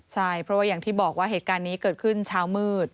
ใช่เพราะว่าอย่างที่บอกว่าเหตุการณ์นี้เกิดขึ้นเช้ามืด